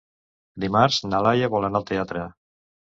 Dimarts na Laia vol anar al teatre.